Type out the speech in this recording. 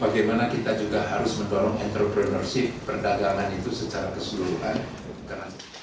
bagaimana kita juga harus mendorong entrepreneurship perdagangan itu secara keseluruhan